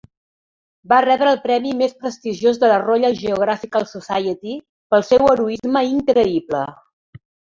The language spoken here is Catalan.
Va rebre el premi més prestigiós de la Royal Geographical Society pel seu heroisme increïble.